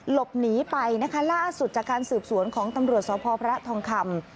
หลบหนีไปนะคะล่าสุดจากการสืบสวนของตำรวจสพพระทองคำ